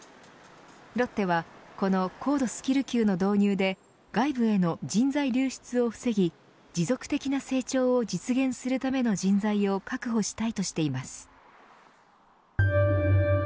ロッテはこの高度スキル給の導入で外部への人材流出を防ぎ持続的な成長を実現するための人材を確保したいとしています。